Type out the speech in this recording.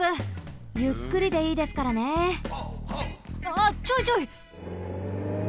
ああちょいちょい！